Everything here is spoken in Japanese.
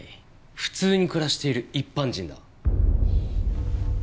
普通に暮らしている一般人だ。